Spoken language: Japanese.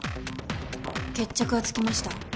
決着はつきました。